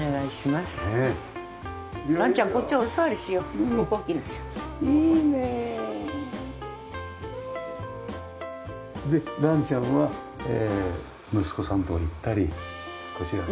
でランちゃんは息子さんのところ行ったりこちら。